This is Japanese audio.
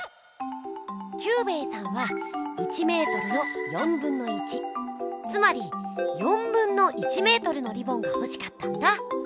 キュウベイさんは１メートルの1/4つまり1/4メートルのリボンがほしかったんだ。